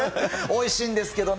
おいしいんです